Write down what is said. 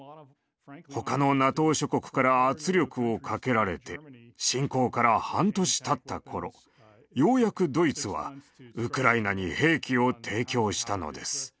ほかのＮＡＴＯ諸国から圧力をかけられて侵攻から半年たったころようやくドイツはウクライナに兵器を提供したのです。